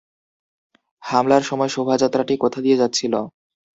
হামলার সময় শোভাযাত্রাটি কোথা দিয়ে যাচ্ছিল?